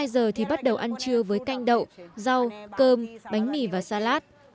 một mươi hai giờ thì bắt đầu ăn trưa với canh đậu rau cơm bánh mì và salad